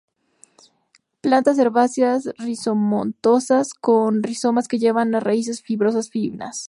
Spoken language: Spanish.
Plantas herbáceas, rizomatosas, con rizomas que llevan raíces fibrosas finas.